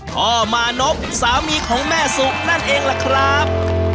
พ่อมานพสามีของแม่สุนั่นเองล่ะครับ